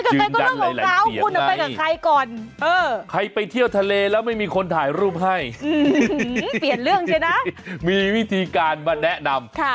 เขาจะไปกับใครก็เรื่องของเขา